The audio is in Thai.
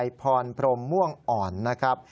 เด็กชายพรพรมม่วงอ่อนนะครับ